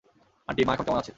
Aunty, মা এখন কেমন আছে?